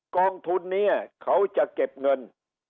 กองทุนนี้เขาจะเก็บเงิน